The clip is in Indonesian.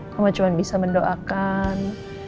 mama cuma bisa mendoakan